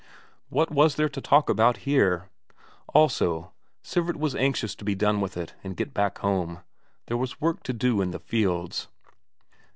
What was there to talk about here? Also, Sivert was anxious to be done with it and get back home, there was work to do in the fields.